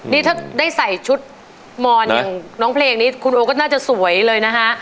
นี่ถ้าได้ใส่ชุดมอนอย่างน้องเพลงนี้คุณโอก็น่าจะสวยเลยนะฮะ